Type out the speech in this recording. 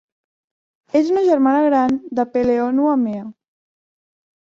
És una germana gran de Pele-honua-mea.